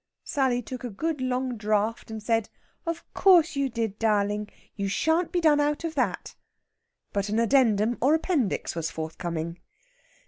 Sally took a good long draught, and said: "Of course you did, darling. You shan't be done out of that!" But an addendum or appendix was forthcoming.